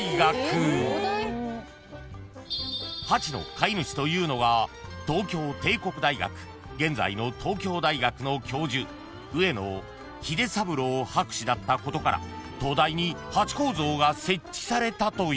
［ハチの飼い主というのが東京帝国大学現在の東京大学の教授上野英三郎博士だったことから東大にハチ公像が設置されたという］